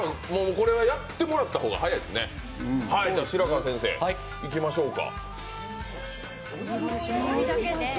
これはやってもらった方が早いですね、白川先生いきましょうか。